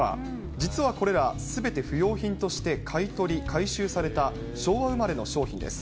実はこれら、すべて不用品として買い取り、回収された、昭和生まれの商品です。